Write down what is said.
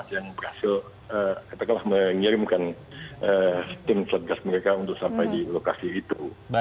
yang berhasil mengirimkan tim set gas mereka untuk sampai di lokasi itu